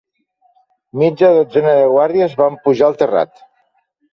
Mitja dotzena de guàrdies van pujar al terrat